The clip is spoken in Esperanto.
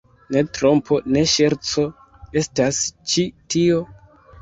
Ne trompo, ne ŝerco estas ĉi tio?